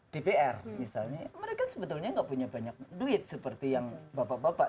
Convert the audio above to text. dpr misalnya mereka sebetulnya nggak punya banyak duit seperti yang bapak bapak